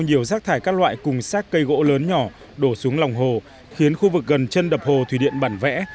nhiều rác thải các loại cùng sát cây gỗ lớn nhỏ đổ xuống lòng hồ khiến khu vực gần chân đập hồ thủy điện bản vẽ